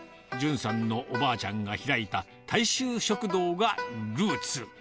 淳さんのおばあちゃんが開いた大衆食堂がルーツ。